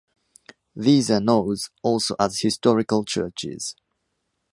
These are knows also as "historical churches".